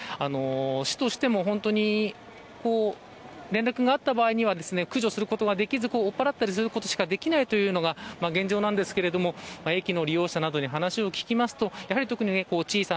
市としても、本当に連絡があった場合には駆除することはできず追っ払ったりすることしかできないというのが現状ですが駅の利用者などに話を聞きますと特に小さ